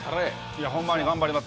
ホンマに頑張ります。